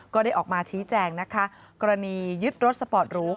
ก็ได้ออกมาชี้แจงนะคะกรณียึดรถสปอร์ตหรู